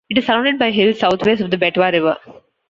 It is surrounded by hills southwest of the Betwa River.